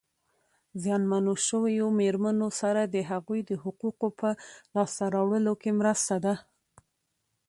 زیانمنو شویو مېرمنو سره د هغوی د حقوقو په لاسته راوړلو کې مرسته ده.